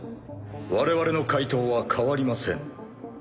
我々の回答は変わりません。